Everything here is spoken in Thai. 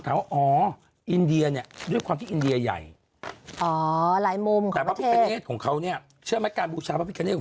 คันเนทซียันตี้เนี่ยเป็นหนึ่งเมื่อกี้ไม่ใช่ข้าวค่ะ